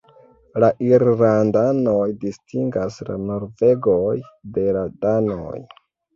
La irlandanoj distingas la norvegoj de la danoj.